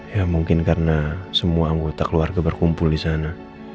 ya mungkin karena semua anggota keluarga berkumpul disana